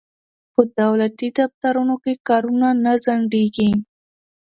په دولتي دفترونو کې کارونه نه ځنډیږي.